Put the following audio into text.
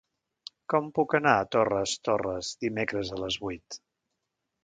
Com puc anar a Torres Torres dimecres a les vuit?